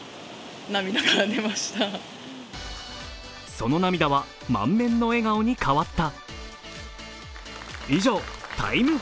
その涙は満面の笑顔に変わった。